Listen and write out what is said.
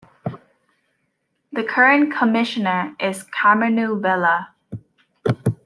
The current Commissioner is Karmenu Vella.